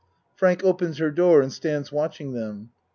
(Frank opens her door and stands watching them.)